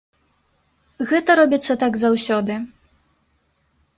Гэта робіцца так заўсёды.